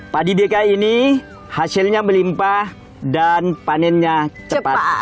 padi dki ini hasilnya melimpah dan panennya cepat